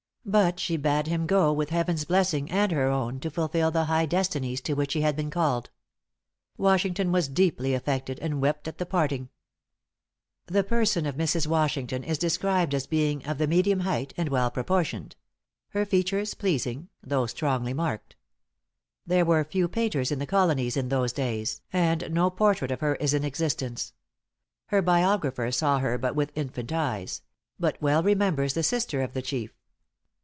But she bade him go, with heaven's blessing and her own, to fulfil the high destinies to which he had been called. Washington was deeply affected, and wept at the parting. The person of Mrs. Washington is described as being of the medium height, and well proportioned her features pleasing, though strongly marked. There were few painters in the colonies in those days, and no portrait of her is in existence. Her biographer saw her but with infant eyes; but well remembers the sister of the chief.